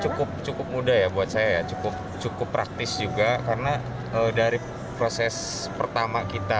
cukup cukup mudah ya buat saya ya cukup cukup praktis juga karena dari proses pertama kita